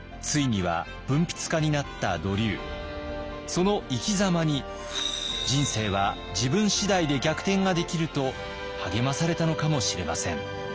その生きざまに人生は自分次第で逆転ができると励まされたのかもしれません。